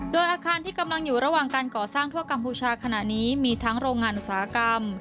โดยอาคารที่กำลังอยู่ระหว่างการก่อสร้างทั่วกัมพูชาขณะนี้มีทั้งโรงงานอุตสาหกรรม